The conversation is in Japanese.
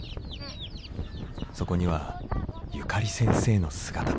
そこにはゆかり先生の姿も。